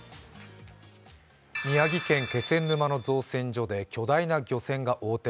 宮城県気仙沼の造船所で巨大な漁船が横転